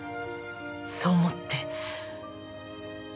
そう思って。